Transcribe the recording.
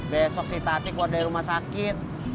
besok si tati keluar dari rumah sakit